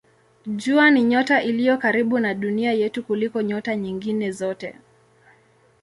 Jua ni nyota iliyo karibu na Dunia yetu kuliko nyota nyingine zote.